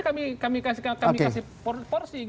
kami kasih porsi